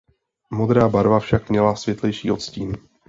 Modrá barva však měla světlejší odstín.